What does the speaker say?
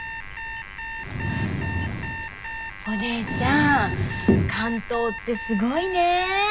お姉ちゃん竿燈ってすごいね。